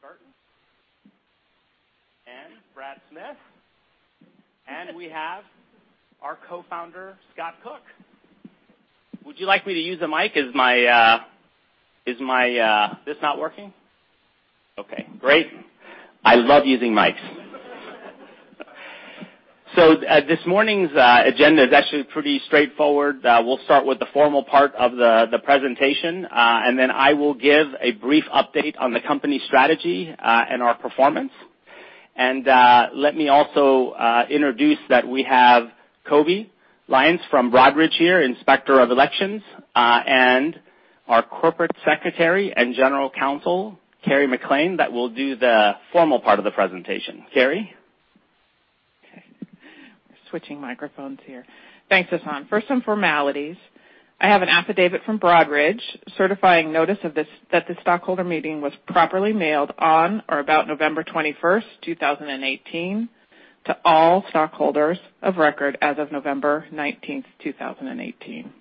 Eve Burton and Brad Smith, and we have our co-founder, Scott Cook. Would you like me to use the mic? Is my this not working? Okay, great. I love using mics. This morning's agenda is actually pretty straightforward. We'll start with the formal part of the presentation, and then I will give a brief update on the company strategy, and our performance. Let me also introduce that we have Kobe Lyons from Broadridge here, Inspector of Elections, and our Corporate Secretary and General Counsel, Kerry McLean, that will do the formal part of the presentation. Kerry? Okay. We're switching microphones here. Thanks, Sasan. First, some formalities. I have an affidavit from Broadridge certifying notice that the stockholder meeting was properly mailed on or about November 21st, 2018 to all stockholders of record as of November 19th, 2018.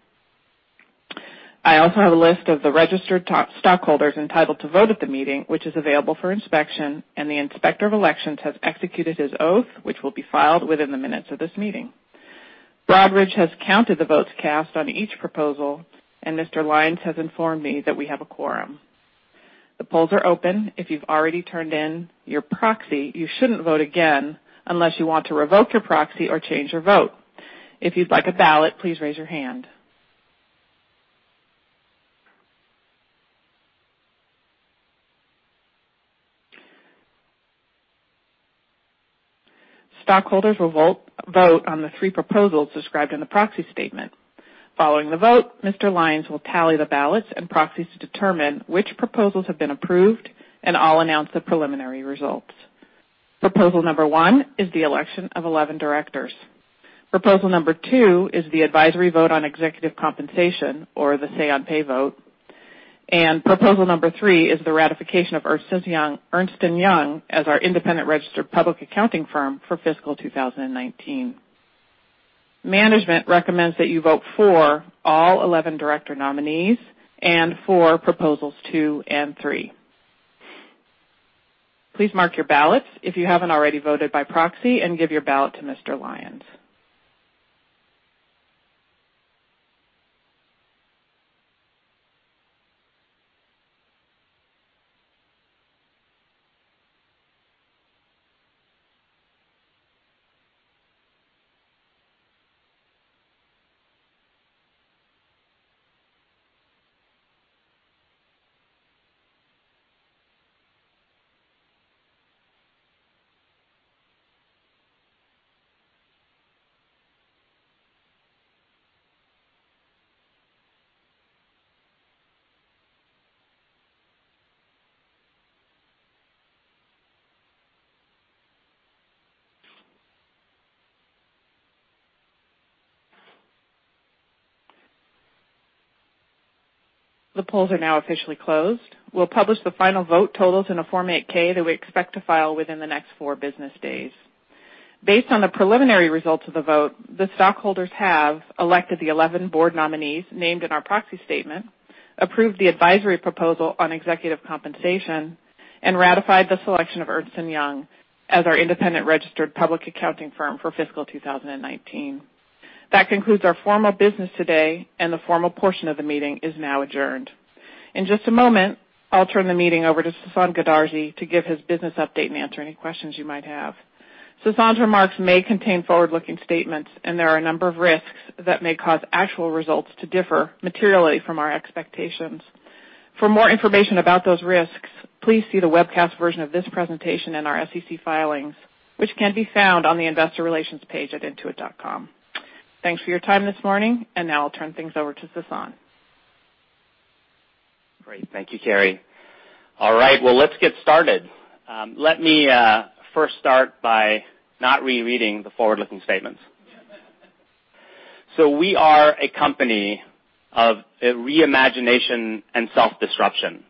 I also have a list of the registered stockholders entitled to vote at the meeting, which is available for inspection, and the Inspector of Elections has executed his oath, which will be filed within the minutes of this meeting. Broadridge has counted the votes cast on each proposal, and Mr. Lyons has informed me that we have a quorum. The polls are open. If you've already turned in your proxy, you shouldn't vote again unless you want to revoke your proxy or change your vote. If you'd like a ballot, please raise your hand. Stockholders will vote on the three proposals described in the proxy statement. Following the vote, Mr. Lyons will tally the ballots and proxies to determine which proposals have been approved. I'll announce the preliminary results. Proposal number one is the election of 11 directors. Proposal number two is the advisory vote on executive compensation, or the say on pay vote. Proposal number three is the ratification of Ernst & Young as our independent registered public accounting firm for fiscal 2019. Management recommends that you vote for all 11 director nominees and for proposals two and three. Please mark your ballots if you haven't already voted by proxy. Give your ballot to Mr. Lyons. The polls are now officially closed. We'll publish the final vote totals in a Form 8-K that we expect to file within the next four business days. Based on the preliminary results of the vote, the stockholders have elected the 11 board nominees named in our proxy statement, approved the advisory proposal on executive compensation, ratified the selection of Ernst & Young as our independent registered public accounting firm for fiscal 2019. That concludes our formal business today, the formal portion of the meeting is now adjourned. In just a moment, I'll turn the meeting over to Sasan Goodarzi to give his business update and answer any questions you might have. Sasan's remarks may contain forward-looking statements, there are a number of risks that may cause actual results to differ materially from our expectations. For more information about those risks, please see the webcast version of this presentation in our SEC filings, which can be found on the investor relations page at intuit.com. Thanks for your time this morning, now I'll turn things over to Sasan. Great. Thank you, Kerry. All right. Well, let's get started. Let me first start by not rereading the forward-looking statements. We are a company of reimagination and self-disruption.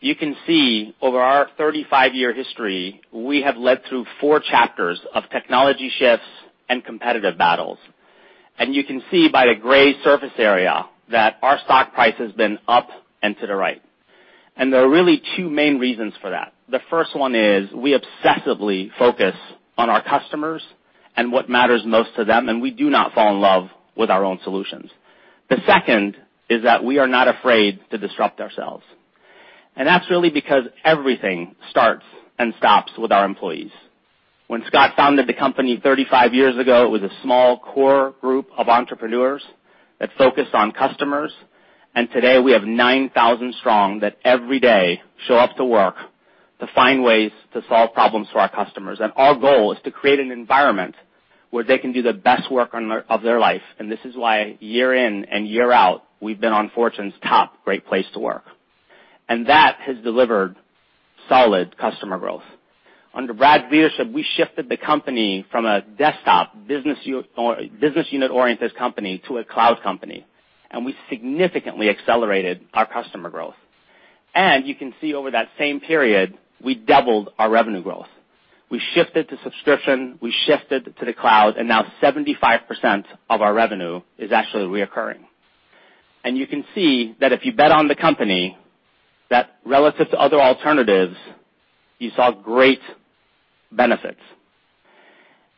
You can see over our 35-year history, we have led through four chapters of technology shifts and competitive battles. You can see by the gray surface area that our stock price has been up and to the right. There are really two main reasons for that. The first one is we obsessively focus on our customers and what matters most to them, we do not fall in love with our own solutions. The second is that we are not afraid to disrupt ourselves, that's really because everything starts and stops with our employees. When Scott founded the company 35 years ago, it was a small core group of entrepreneurs that focused on customers, today we have 9,000 strong that every day show up to work to find ways to solve problems for our customers. Our goal is to create an environment where they can do the best work of their life. This is why year in and year out, we've been on Fortune's top great place to work. That has delivered solid customer growth. Under Brad's leadership, we shifted the company from a desktop business unit oriented company to a cloud company, we significantly accelerated our customer growth. You can see over that same period, we doubled our revenue growth. We shifted to subscription, we shifted to the cloud, and now 75% of our revenue is actually recurring. You can see that if you bet on the company, that relative to other alternatives, you saw great benefits.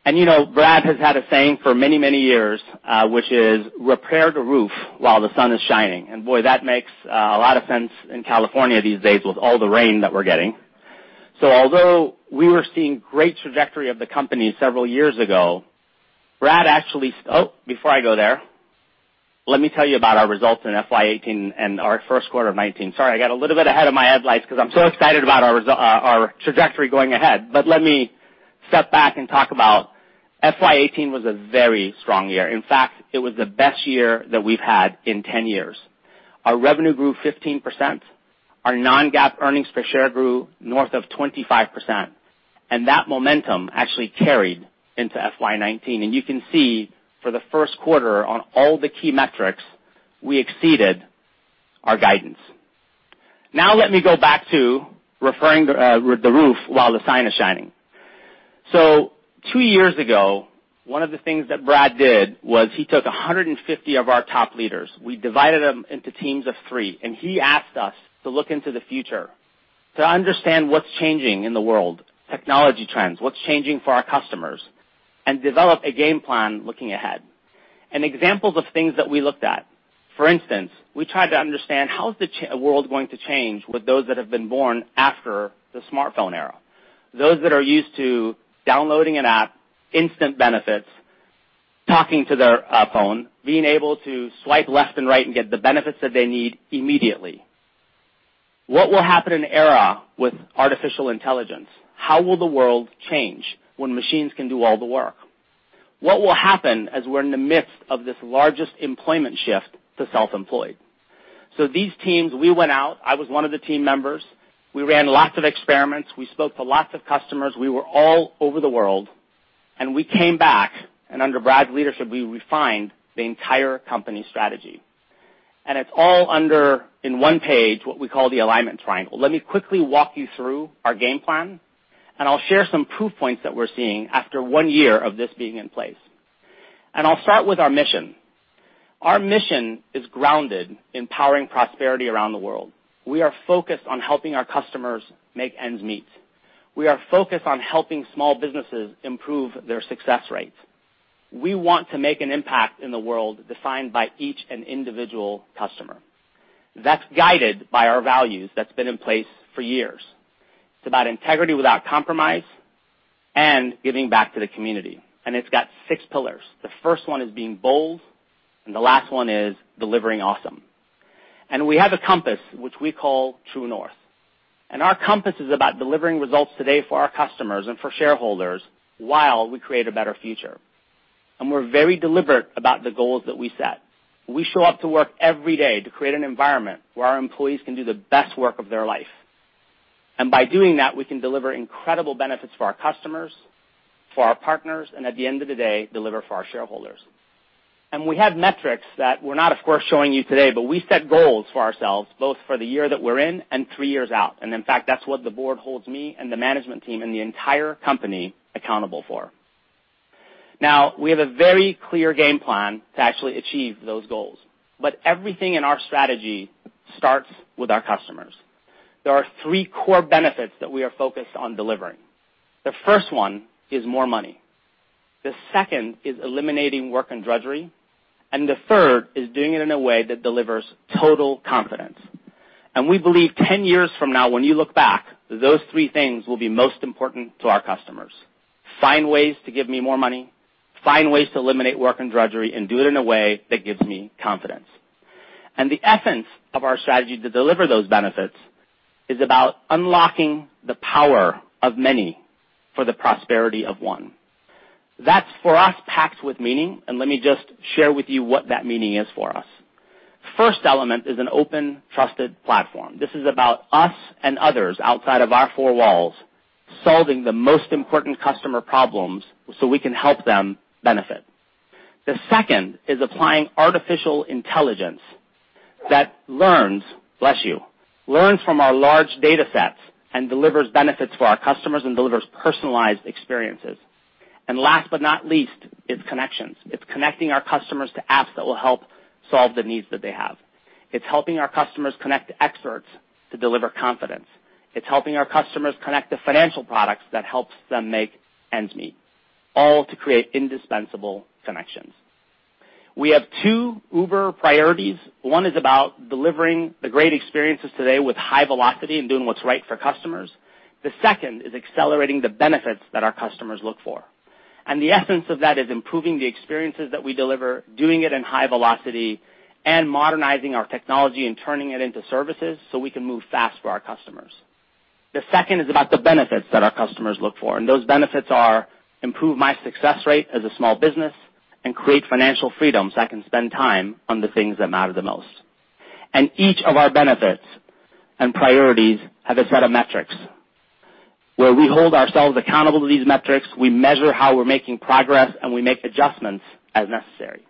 Brad has had a saying for many, many years, which is, "Repair the roof while the sun is shining." Boy, that makes a lot of sense in California these days with all the rain that we're getting. Although we were seeing great trajectory of the company several years ago, Brad actually, before I go there, let me tell you about our results in FY 2018 and our first quarter of 2019. Sorry, I got a little bit ahead of my headlights because I'm so excited about our trajectory going ahead. Let me step back and talk about FY 2018 was a very strong year. In fact, it was the best year that we've had in 10 years. Our revenue grew 15%, our non-GAAP earnings per share grew north of 25%, and that momentum actually carried into FY 2019. You can see for the first quarter on all the key metrics, we exceeded our guidance. Now let me go back to repairing the roof while the sun is shining. Two years ago, one of the things that Brad did was he took 150 of our top leaders. We divided them into teams of three, and he asked us to look into the future, to understand what's changing in the world, technology trends, what's changing for our customers, and develop a game plan looking ahead. Examples of things that we looked at. For instance, we tried to understand how is the world going to change with those that have been born after the smartphone era. Those that are used to downloading an app, instant benefits, talking to their phone, being able to swipe left and right and get the benefits that they need immediately. What will happen in an era with artificial intelligence? How will the world change when machines can do all the work? What will happen as we're in the midst of this largest employment shift to self-employed? These teams, we went out. I was one of the team members. We ran lots of experiments. We spoke to lots of customers. We were all over the world, and we came back, and under Brad's leadership, we refined the entire company strategy. It's all under, in one page, what we call the alignment triangle. Let me quickly walk you through our game plan, and I'll share some proof points that we're seeing after one year of this being in place. I'll start with our mission. Our mission is grounded in powering prosperity around the world. We are focused on helping our customers make ends meet. We are focused on helping small businesses improve their success rates. We want to make an impact in the world defined by each individual customer. That's guided by our values that's been in place for years. It's about integrity without compromise and giving back to the community. It's got six pillars. The first one is being bold, and the last one is delivering awesome. We have a compass, which we call True North. Our compass is about delivering results today for our customers and for shareholders while we create a better future. We're very deliberate about the goals that we set. We show up to work every day to create an environment where our employees can do the best work of their life. By doing that, we can deliver incredible benefits for our customers, for our partners, and at the end of the day, deliver for our shareholders. We have metrics that we're not, of course, showing you today, but we set goals for ourselves, both for the year that we're in and three years out. In fact, that's what the board holds me and the management team and the entire company accountable for. We have a very clear game plan to actually achieve those goals. Everything in our strategy starts with our customers. There are three core benefits that we are focused on delivering. The first one is more money, the second is eliminating work and drudgery, and the third is doing it in a way that delivers total confidence. We believe 10 years from now, when you look back, those three things will be most important to our customers. Find ways to give me more money, find ways to eliminate work and drudgery, and do it in a way that gives me confidence. The essence of our strategy to deliver those benefits is about unlocking the power of many for the prosperity of one. That's, for us, packed with meaning, and let me just share with you what that meaning is for us. First element is an open, trusted platform. This is about us and others outside of our four walls, solving the most important customer problems so we can help them benefit. The second is applying artificial intelligence, that learns, [bless you], learns from our large data sets and delivers benefits for our customers and delivers personalized experiences. Last but not least, is connections. It's connecting our customers to apps that will help solve the needs that they have. It's helping our customers connect to experts to deliver confidence. It's helping our customers connect to financial products that helps them make ends meet, all to create indispensable connections. We have two uber priorities. One is about delivering the great experiences today with high velocity and doing what's right for customers. The second is accelerating the benefits that our customers look for. The essence of that is improving the experiences that we deliver, doing it in high velocity, and modernizing our technology and turning it into services so we can move fast for our customers. The second is about the benefits that our customers look for, and those benefits are improve my success rate as a small business and create financial freedom so I can spend time on the things that matter the most. Each of our benefits and priorities have a set of metrics where we hold ourselves accountable to these metrics. We measure how we're making progress, and we make adjustments as necessary.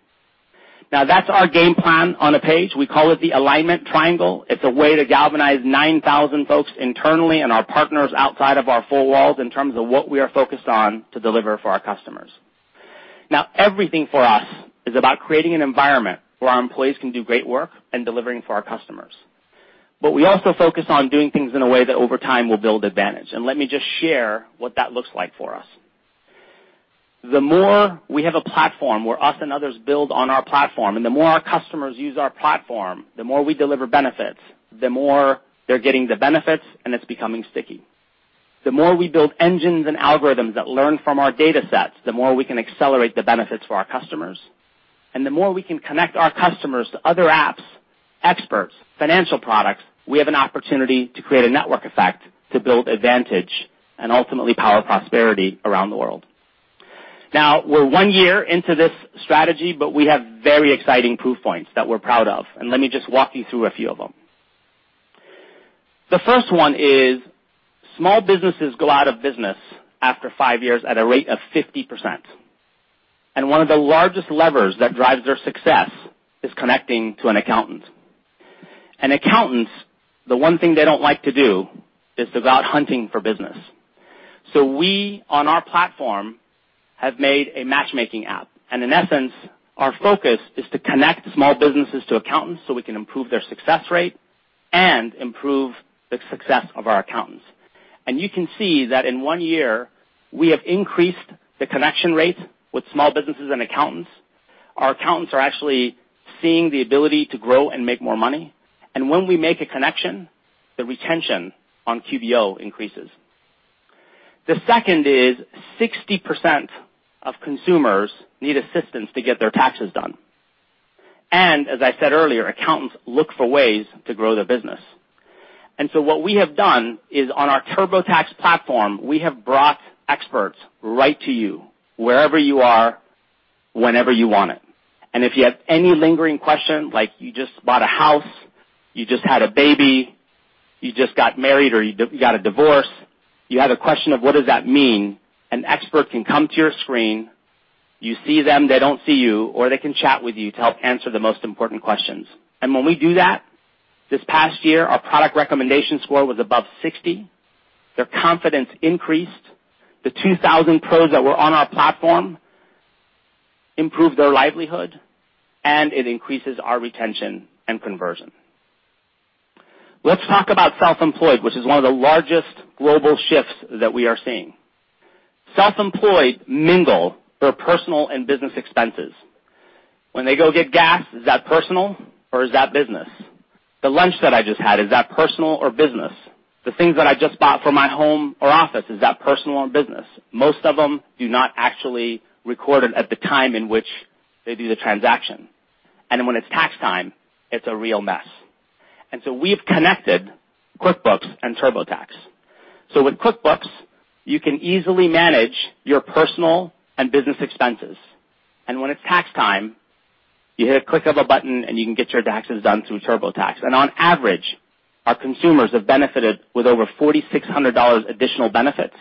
That's our game plan on a page. We call it the alignment triangle. It's a way to galvanize 9,000 folks internally and our partners outside of our four walls in terms of what we are focused on to deliver for our customers. Everything for us is about creating an environment where our employees can do great work in delivering for our customers. We also focus on doing things in a way that over time will build advantage. Let me just share what that looks like for us. The more we have a platform where us and others build on our platform, the more our customers use our platform, the more we deliver benefits, the more they're getting the benefits, it's becoming sticky. The more we build engines and algorithms that learn from our data sets, the more we can accelerate the benefits for our customers. The more we can connect our customers to other apps, experts, financial products, we have an opportunity to create a network effect to build advantage and ultimately power prosperity around the world. We're one year into this strategy. We have very exciting proof points that we're proud of. Let me just walk you through a few of them. The first one is small businesses go out of business after five years at a rate of 50%. One of the largest levers that drives their success is connecting to an accountant. Accountants, the one thing they don't like to do is to go out hunting for business. We, on our platform, have made a matchmaking app. In essence, our focus is to connect small businesses to accountants so we can improve their success rate and improve the success of our accountants. You can see that in one year, we have increased the connection rate with small businesses and accountants. Our accountants are actually seeing the ability to grow and make more money. When we make a connection, the retention on QBO increases. The second is 60% of consumers need assistance to get their taxes done. As I said earlier, accountants look for ways to grow their business. What we have done is on our TurboTax platform, we have brought experts right to you wherever you are, whenever you want it. If you have any lingering question, like you just bought a house, you just had a baby, you just got married, or you got a divorce, you had a question of what does that mean? An expert can come to your screen. You see them, they don't see you, or they can chat with you to help answer the most important questions. When we do that, this past year, our product recommendation score was above 60. Their confidence increased. The 2,000 pros that were on our platform improved their livelihood, it increases our retention and conversion. Let's talk about self-employed, which is one of the largest global shifts that we are seeing. Self-employed mingle their personal and business expenses. When they go get gas, is that personal or is that business? The lunch that I just had, is that personal or business? The things that I just bought for my home or office, is that personal or business? Most of them do not actually record it at the time in which they do the transaction. When it's tax time, it's a real mess. We've connected QuickBooks and TurboTax. With QuickBooks, you can easily manage your personal and business expenses. When it's tax time, you hit a click of a button, you can get your taxes done through TurboTax. On average, our consumers have benefited with over $4,600 additional benefits,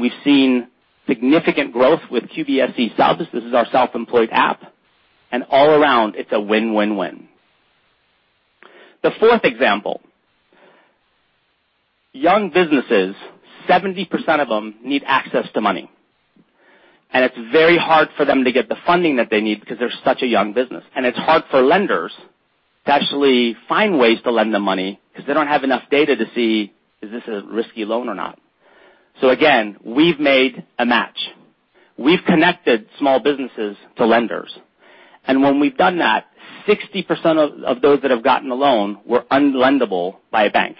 we've seen significant growth with QBSE Subs, this is our self-employed app, and all around it's a win-win-win. The fourth example, young businesses, 70% of them need access to money. It's very hard for them to get the funding that they need because they're such a young business, and it's hard for lenders to actually find ways to lend them money because they don't have enough data to see, is this a risky loan or not? Again, we've made a match. We've connected small businesses to lenders. When we've done that, 60% of those that have gotten a loan were unlendable by a bank.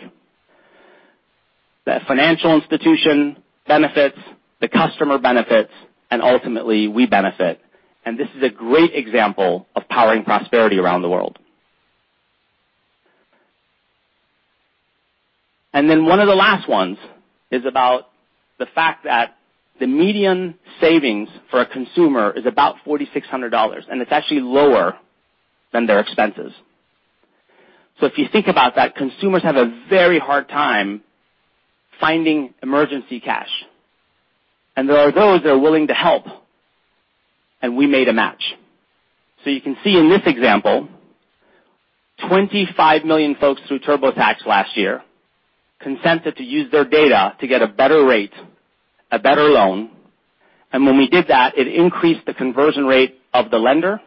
The financial institution benefits, the customer benefits, and ultimately we benefit. This is a great example of powering prosperity around the world. One of the last ones is about the fact that, the median savings for a consumer is about $4,600, and it's actually lower than their expenses. If you think about that, consumers have a very hard time finding emergency cash, and there are those that are willing to help, and we made a match. You can see in this example, 25 million folks through TurboTax last year consented to use their data to get a better rate, a better loan. When we did that, it increased the conversion rate of the lender,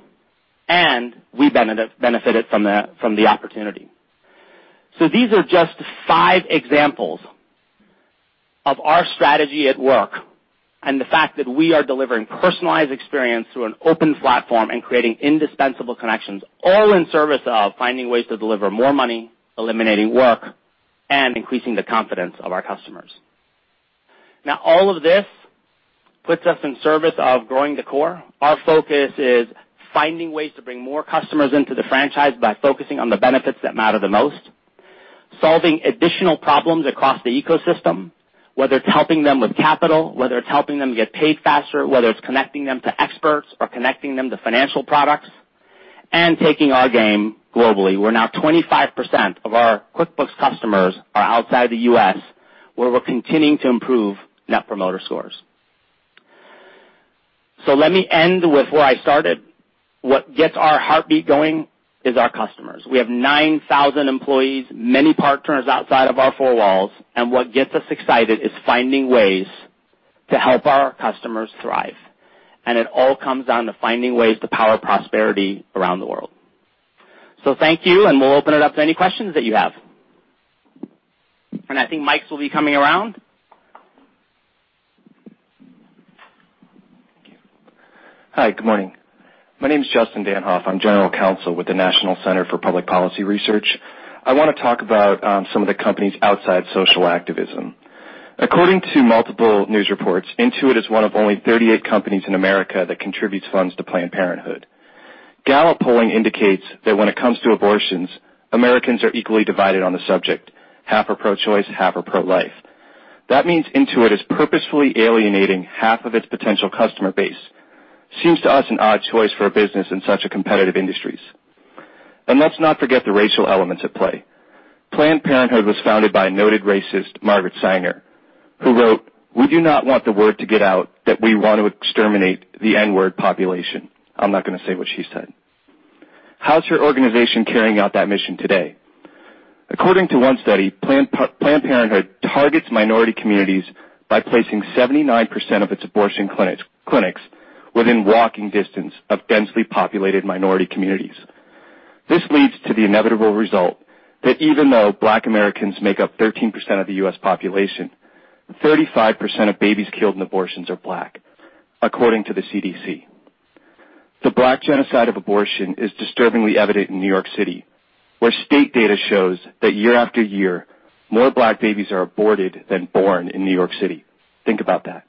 and we benefited from the opportunity. These are just five examples of our strategy at work and the fact that we are delivering personalized experience through an open platform and creating indispensable connections, all in service of finding ways to deliver more money, eliminating work, and increasing the confidence of our customers. All of this puts us in service of growing the core. Our focus is finding ways to bring more customers into the franchise by focusing on the benefits that matter the most, solving additional problems across the ecosystem, whether it's helping them with capital, whether it's helping them get paid faster, whether it's connecting them to experts or connecting them to financial products, and taking our game globally. We're now 25% of our QuickBooks customers are outside the U.S., where we're continuing to improve net promoter scores. Let me end with where I started. What gets our heartbeat going is our customers. We have 9,000 employees, many partners outside of our four walls, and what gets us excited is finding ways to help our customers thrive. It all comes down to finding ways to power prosperity around the world. Thank you, We'll open it up to any questions that you have. I think mics will be coming around. Hi. Good morning. My name is Justin Danhoff. I am general counsel with the National Center for Public Policy Research. I want to talk about some of the companies outside social activism. According to multiple news reports, Intuit is one of only 38 companies in America that contributes funds to Planned Parenthood. Gallup polling indicates that when it comes to abortions, Americans are equally divided on the subject. Half are pro-choice, half are pro-life. Means Intuit is purposefully alienating half of its potential customer base. Seems to us an odd choice for a business in such competitive industries. Let's not forget the racial elements at play. Planned Parenthood was founded by a noted racist, Margaret Sanger, who wrote, "We do not want the word to get out that we want to exterminate the N-word population." I am not going to say what she said. How is your organization carrying out that mission today? According to one study, Planned Parenthood targets minority communities by placing 79% of its abortion clinics within walking distance of densely populated minority communities. This leads to the inevitable result that even though Black Americans make up 13% of the U.S. population, 35% of babies killed in abortions are Black, according to the CDC. The Black genocide of abortion is disturbingly evident in New York City, where state data shows that year after year, more Black babies are aborted than born in New York City. Think about that.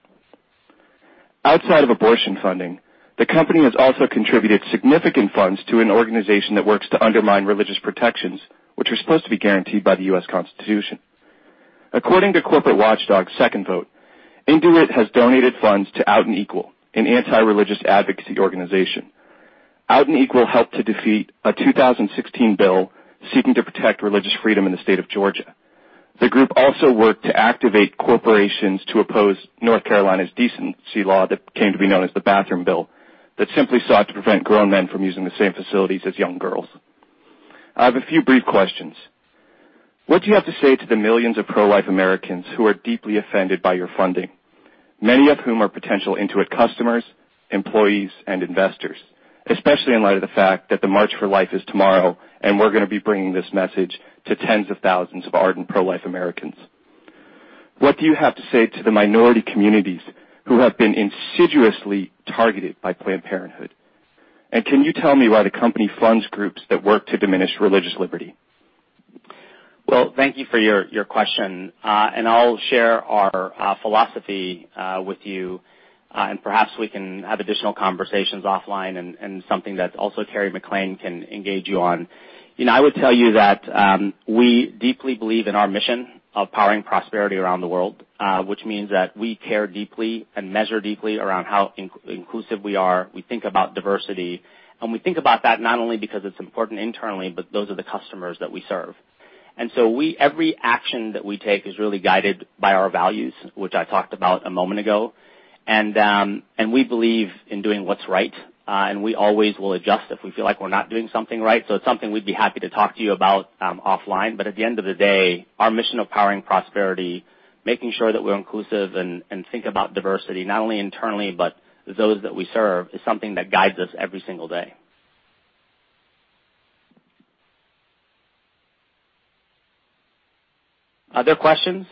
Outside of abortion funding, the company has also contributed significant funds to an organization that works to undermine religious protections, which are supposed to be guaranteed by the U.S. Constitution. According to corporate watchdog 2ndVote, Intuit has donated funds to Out & Equal, an anti-religious advocacy organization. Out & Equal helped to defeat a 2016 bill seeking to protect religious freedom in the state of Georgia. The group also worked to activate corporations to oppose North Carolina's decency law that came to be known as the bathroom bill, that simply sought to prevent grown men from using the same facilities as young girls. I have a few brief questions. What do you have to say to the millions of pro-life Americans who are deeply offended by your funding, many of whom are potential Intuit customers, employees, and investors, especially in light of the fact that the March for Life is tomorrow and we are going to be bringing this message to tens of thousands of ardent pro-life Americans? What do you have to say to the minority communities who have been insidiously targeted by Planned Parenthood? Can you tell me why the company funds groups that work to diminish religious liberty? Thank you for your question, and I'll share our philosophy with you, and perhaps we can have additional conversations offline and something that also Kerry McLean can engage you on. I would tell you that we deeply believe in our mission of powering prosperity around the world, which means that we care deeply and measure deeply around how inclusive we are. We think about diversity, and we think about that not only because it's important internally, but those are the customers that we serve. Every action that we take is really guided by our values, which I talked about a moment ago. We believe in doing what's right, and we always will adjust if we feel like we're not doing something right. It's something we'd be happy to talk to you about offline. At the end of the day, our mission of powering prosperity, making sure that we're inclusive and think about diversity, not only internally, but those that we serve, is something that guides us every single day. Other questions?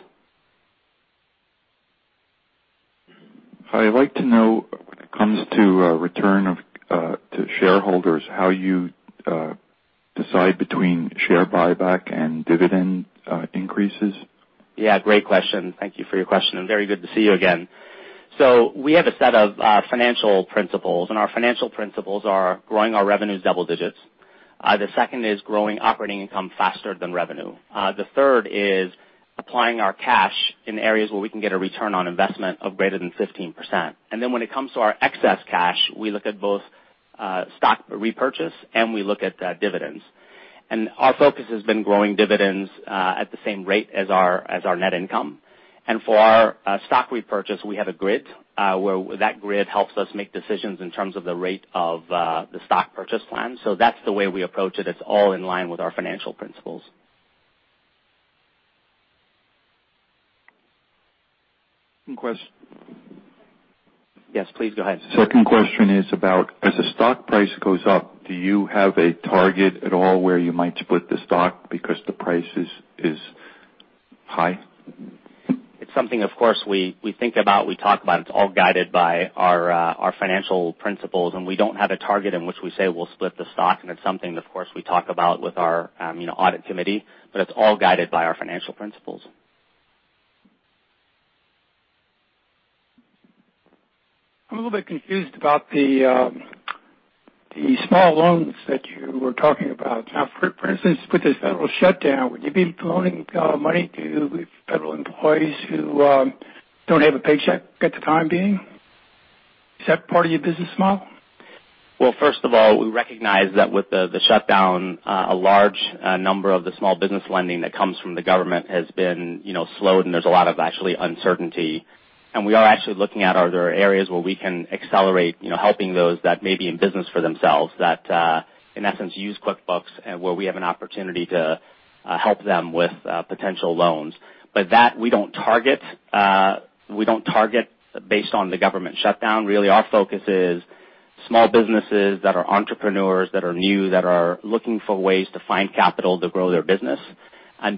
I'd like to know when it comes to return to shareholders, how you decide between share buyback and dividend increases? Great question. Thank you for your question, and very good to see you again. We have a set of financial principles, and our financial principles are growing our revenues double digits. The second is growing operating income faster than revenue. The third is applying our cash in areas where we can get a return on investment of greater than 15%. When it comes to our excess cash, we look at both stock repurchase and we look at dividends. Our focus has been growing dividends at the same rate as our net income. For our stock repurchase, we have a grid where that grid helps us make decisions in terms of the rate of the stock purchase plan. That's the way we approach it. It's all in line with our financial principles. One question. Yes, please go ahead. Second question is about, as the stock price goes up, do you have a target at all where you might split the stock because the price is high? It's something, of course, we think about, we talk about. It's all guided by our financial principles. We don't have a target in which we say we'll split the stock. It's something that, of course, we talk about with our audit committee, but it's all guided by our financial principles. I'm a little bit confused about the small loans that you were talking about. For instance, with this federal shutdown, would you be loaning money to federal employees who don't have a paycheck at the time being? Is that part of your business model? First of all, we recognize that with the shutdown, a large number of the small business lending that comes from the government has been slowed, and there's a lot of actually uncertainty. We are actually looking at are there areas where we can accelerate helping those that may be in business for themselves that, in essence, use QuickBooks and where we have an opportunity to help them with potential loans. That, we don't target based on the government shutdown. Really, our focus is small businesses that are entrepreneurs, that are new, that are looking for ways to find capital to grow their business.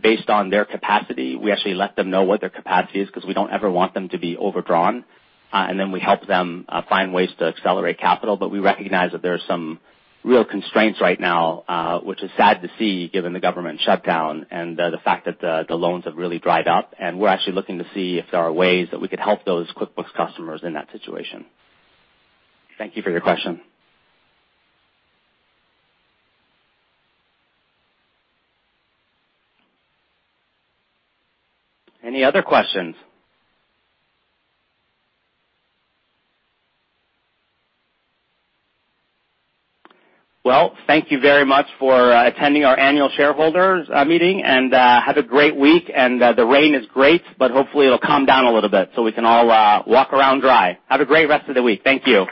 Based on their capacity, we actually let them know what their capacity is because we don't ever want them to be overdrawn. Then we help them find ways to accelerate capital. We recognize that there are some real constraints right now, which is sad to see given the government shutdown and the fact that the loans have really dried up. We're actually looking to see if there are ways that we could help those QuickBooks customers in that situation. Thank you for your question. Any other questions? Thank you very much for attending our annual shareholders meeting, and have a great week. The rain is great, but hopefully it'll calm down a little bit so we can all walk around dry. Have a great rest of the week. Thank you.